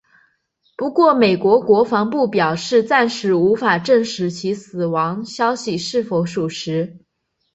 不过美国国防部表示暂时无法证实其死亡消息是否属实。